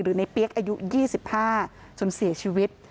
ในเปี๊ยกอายุ๒๕จนเสียชีวิต